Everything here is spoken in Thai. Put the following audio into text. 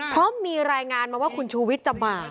เพราะมีรายงานมาว่าคุณชูวิทย์จะมา